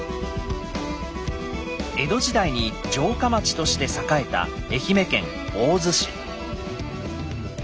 江戸時代に城下町として栄えた愛媛県大洲市。